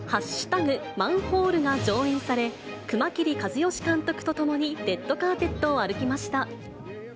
マンホールが上映され、熊切和嘉監督と共に、レッドカーペットを歩きました。